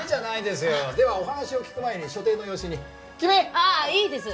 ああいいです。